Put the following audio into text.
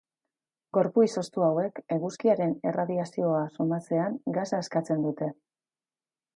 Gorpu izoztu hauek, eguzkiaren erradioazioa somatzean, gasa askatzen dute.